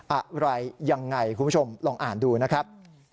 อะไรยังไงคุณผู้ชมลองอ่านดูนะครับ